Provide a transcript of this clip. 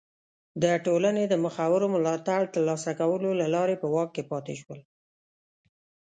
د ټولنې د مخورو ملاتړ ترلاسه کولو له لارې په واک کې پاتې شول.